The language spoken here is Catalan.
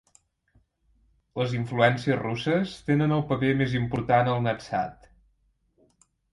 Les influències russes tenen el paper més important al nadsat.